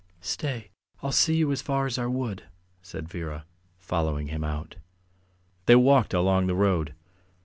"Stay; I'll see you as far as our wood," said Vera, following him out. They walked along the road.